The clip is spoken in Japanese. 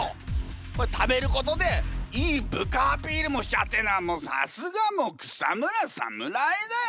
これ食べることでいい部下アピールもしちゃってんだからもうさすがもう草村サムライだよ！